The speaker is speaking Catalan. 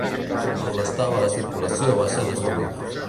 Com molestava la circulació va ser destruïda.